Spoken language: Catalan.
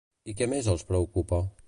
I què més els preocupa?